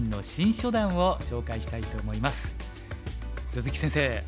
鈴木先生